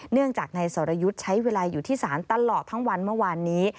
เนื่องจากนายสรยุทธ์ใช้เวลาอยู่ที่ศาลตลอดทั้งวันเมื่อวานนี้